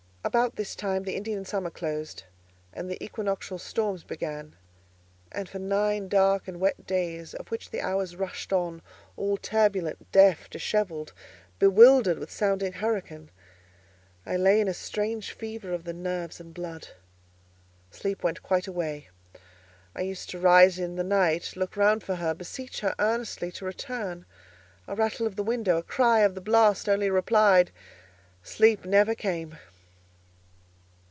About this time the Indian summer closed and the equinoctial storms began; and for nine dark and wet days, of which the hours rushed on all turbulent, deaf, dishevelled—bewildered with sounding hurricane—I lay in a strange fever of the nerves and blood. Sleep went quite away. I used to rise in the night, look round for her, beseech her earnestly to return. A rattle of the window, a cry of the blast only replied—Sleep never came!